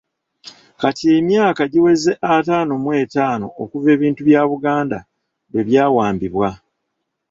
Kati emyaka giweze ataano mu etaano okuva ebintu bya Buganda lwe byawambibwa.